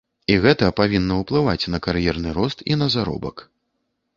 І гэта павінна ўплываць на кар'ерны рост і на заробак.